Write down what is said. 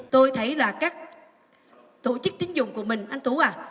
tôi thấy là các tổ chức tín dụng của mình anh tú à